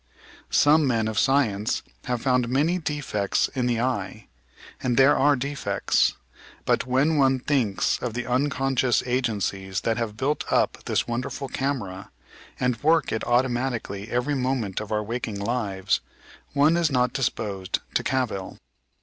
Some men of science have found many defects in the eye, and there are defects : but when one thinks of the unconscious agencies that have built up this wonderful camera, and work it automatically every moment of our waking lives, one is not disposed to cavil.